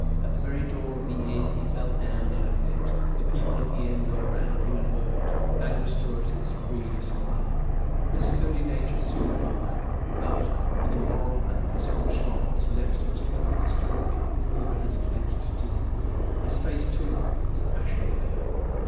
At the very door of the inn he fell down in a fit. The people of the inn were round him in a moment, and restoratives freely supplied. His sturdy nature soon revived; but, with the moral and physical shock, his lips were slightly distorted over his clenched teeth. His face, too, was ashy pale.